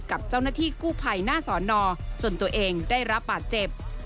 กับเจ้าหน้าที่กู้ภัยหน้าสอนอจนตัวเองได้รับบาดเจ็บ